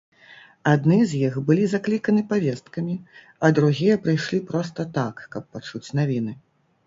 Адны з іх былі закліканы павесткамі, а другія прыйшлі проста так, каб пачуць навіны.